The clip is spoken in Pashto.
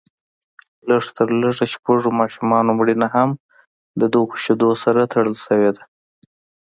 د لږ تر لږه شپږو ماشومانو مړینه هم ددغو شیدو سره تړل شوې ده